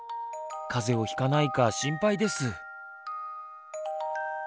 風邪をひかないか心配です。